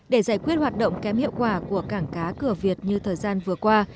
để giải quyết hoạt động kém hiệu quả của cảng cá cửa việt như thời gian vừa qua